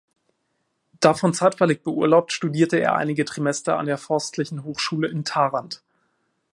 Davon zeitweilig beurlaubt, studierte er einige Trimester an der Forstlichen Hochschule in Tharandt.